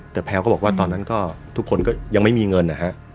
แต่แพลวก็บอกว่าตอนนั้นก็ทุกคนก็ยังไม่มีเงินนะฮะ